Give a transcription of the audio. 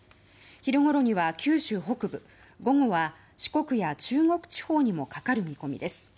昼ごろには九州北部午後は四国や中国地方にもかかる見込みです。